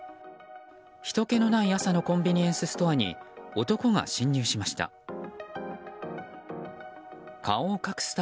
ひとけのない朝のコンビニエンスストアに男が侵入しました。